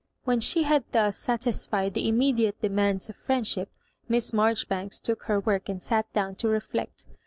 When she had thus satisfied the immediate demands of frieud ship, Miss Maijoribanks took her work and sat down to reflect.